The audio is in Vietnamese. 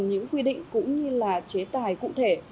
những quy định cũng như là chế tài cụ thể